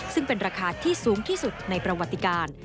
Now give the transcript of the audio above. ซึ่งเป็นราคาที่สูงที่สุดในประวัติการ